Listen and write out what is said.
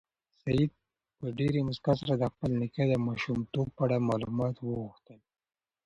سعید په ډېرې موسکا سره د خپل نیکه د ماشومتوب په اړه معلومات وغوښتل.